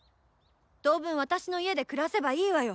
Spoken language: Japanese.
当分私の家で暮らせばいいわよ。